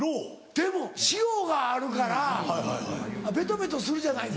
でも潮があるからベトベトするじゃないですか。